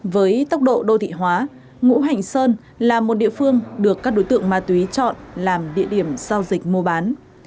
với tốc độ đô thị hóa ngũ hành sơn là một địa phương được các đối tượng ma túy chọn làm địa điểm giao dịch mua bán